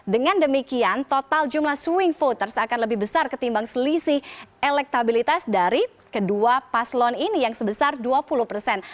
dengan demikian total jumlah swing voters akan lebih besar ketimbang selisih elektabilitas dari kedua paslon ini yang sebesar dua puluh persen